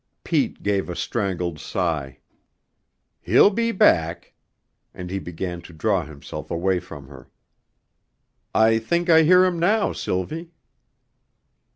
Pete gave a strangled sigh. "He'll be back." And he began to draw himself away from her. "I think I hear him now, Sylvie."